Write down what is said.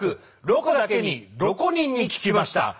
「ロコだけに６５人に聞きました